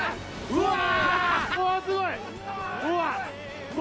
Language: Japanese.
うわっ！